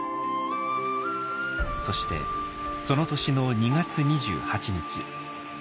そしてその年の２月２８日。